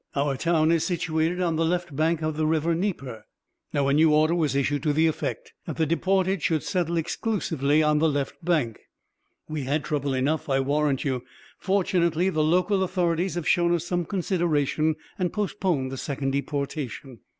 Our town is situated on the left bank of the river Dnyepr. Now a new order was issued to the effect that the deported should settle exclusively on the left bank. We had trouble enough, I warrant you. Fortunately, the local authorities have shown us some consideration and postponed the second deportation....